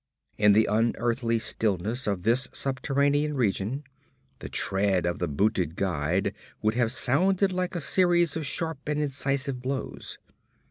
In the unearthly stillness of this subterranean region, the tread of the booted guide would have sounded like a series of sharp and incisive blows.